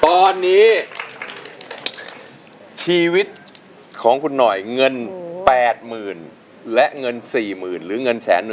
ตอนนี้ชีวิตของคุณหน่อยเงิน๘๐๐๐และเงิน๔๐๐๐หรือเงิน๑๑๐๐